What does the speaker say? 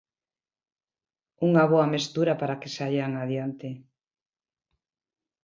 Unha boa mestura para que saian adiante.